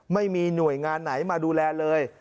ไม่มีหน่วยงานไหนมาดูแลเลย